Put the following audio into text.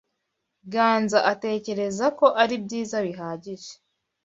Ganza atekereza ko aribyiza bihagije.